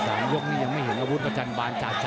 สามยกยังไม่เห็นภาพประจานบานจากเลยนะครับ